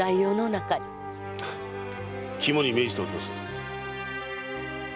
肝に銘じておきます。